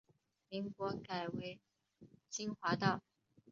民国改为金华道。